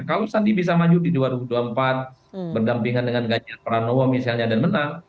kalau sandi bisa maju di dua ribu dua puluh empat berdampingan dengan ganjar pranowo misalnya dan menang